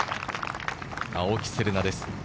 青木瀬令奈です。